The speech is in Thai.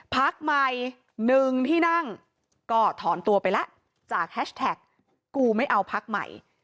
พักใหม่๑ที่นั่งก็ถอนตัวไปแล้วจากแฮชแท็กกูไม่เอาพักใหม่